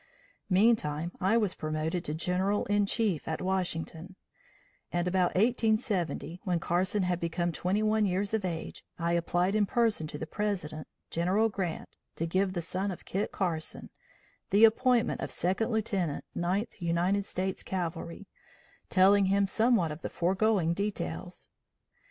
Meantime I was promoted to General in Chief at Washington, and about 1870, when Carson had become twenty one years of age, I applied in person to the President, General Grant, to give the son of Kit Carson, the appointment of Second Lieutenant Ninth United States Cavalry, telling him somewhat of the foregoing details.